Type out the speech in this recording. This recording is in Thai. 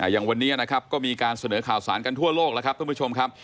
อย่างวันนี้นะครับก็มีการเสนอข่าวสารกันทั่วโลกแล้วครับท่านผู้ชมครับ